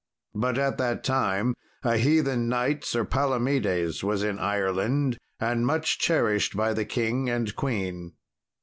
But at that time a heathen knight, Sir Palomedes, was in Ireland, and much cherished by the king and queen.